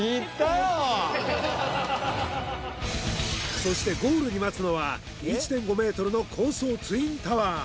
そしてゴールに待つのは１．５ｍの高層ツインタワー